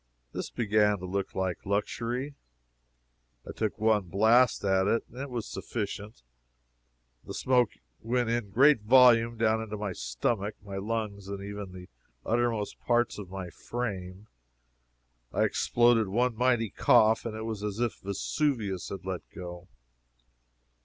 This began to look like luxury. I took one blast at it, and it was sufficient; the smoke went in a great volume down into my stomach, my lungs, even into the uttermost parts of my frame. I exploded one mighty cough, and it was as if Vesuvius had let go.